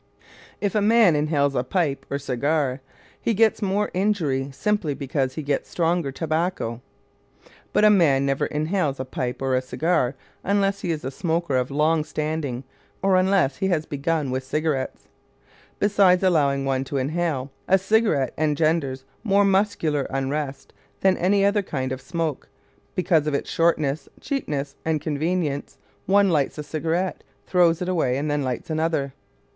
If a man inhales a pipe or a cigar, he gets more injury simply because he gets stronger tobacco; but a man never inhales a pipe or a cigar unless he is a smoker of long standing or unless he has begun with cigarettes. Besides allowing one to inhale, a cigarette engenders more muscular unrest than any other kind of smoke. Because of its shortness, cheapness, and convenience, one lights a cigarette, throws it away, and then lights another.